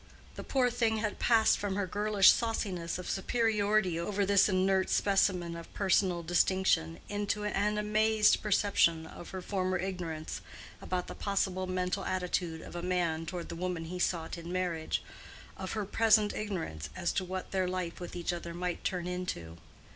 The poor thing had passed from her girlish sauciness of superiority over this inert specimen of personal distinction into an amazed perception of her former ignorance about the possible mental attitude of a man toward the woman he sought in marriage—of her present ignorance as to what their life with each other might turn into.